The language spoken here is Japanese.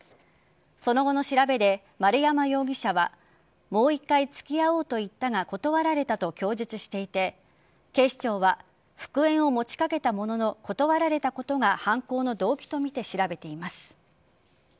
その後の調べで丸山容疑者はもう１回付き合おうと言ったが断られたと供述していて警視庁は復縁を持ちかけたものの断られたことが犯行の動機とみて調べています。